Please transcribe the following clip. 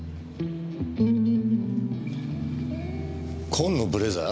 紺のブレザー？